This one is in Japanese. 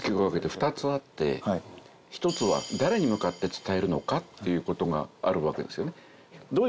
１つは誰に向かって伝えるのかっていう事があるわけですよね。